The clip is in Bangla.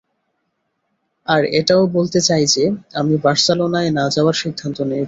আর এটাও বলতে চাই যে, আমি বার্সেলোনায় না যাওয়ার সিদ্ধান্ত নিয়েছি।